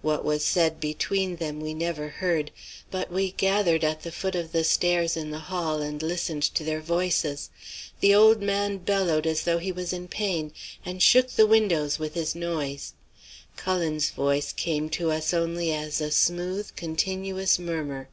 What was said between them we never heard, but we gathered at the foot of the stairs in the hall and listened to their voices. The old man bellowed as though he was in pain, and shook the windows with his noise; Cullen's voice came to us only as a smooth, continuous murmur.